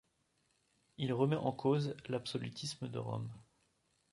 Il remet en cause l'absolutisme de Rome.